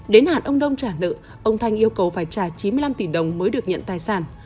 đến hạn ông đông trả nợ ông thanh yêu cầu phải trả chín mươi năm tỷ đồng mới được nhận tài sản